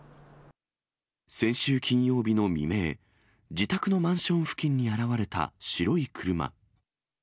先週金曜日の未明、自宅のマンション付近に現れた白い車。